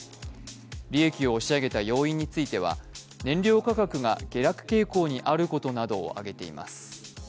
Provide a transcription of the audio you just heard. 利益を押し上げた要因については燃料価格が下落傾向にあることなどを挙げています。